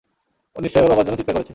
ও নিশ্চয়ই ওর বাবার জন্য চিৎকার করেছে।